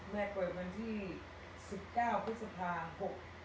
แม่เปิดวันที่๑๙พฤษภาค